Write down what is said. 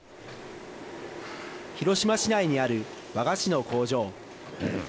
広島市内にある和菓子の工場。